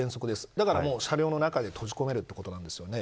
だから車両の中で閉じ込めることになるんですよね。